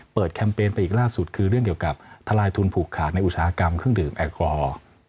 แคมเปญไปอีกล่าสุดคือเรื่องเกี่ยวกับทลายทุนผูกขาดในอุตสาหกรรมเครื่องดื่มแอลกอฮอล์